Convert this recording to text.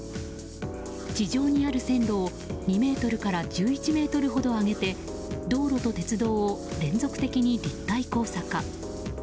地上にある線路を２ｍから１１ｍほど上げて道路と鉄道を連続的に立体交差化。